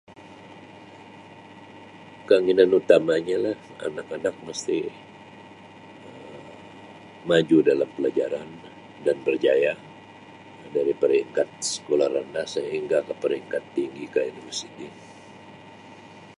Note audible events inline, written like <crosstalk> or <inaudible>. <noise> Keinginan utamanya lah, anak-anak mesti Um maju dalam pelajaran dan berjaya dari paringkat sekulah randah sahingga ka paringkat tinggi ka universiti.